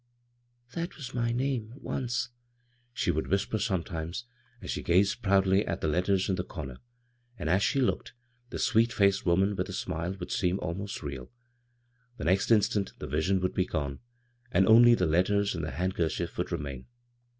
" That was my name, once," she would whisper sometimes, as she gazed proudly at the letters in the comer — and as she looked, the sweet faced woman with the smile would seem almost real ; the next instant the vision would be gone, and only the letters and the handkerchief would remain.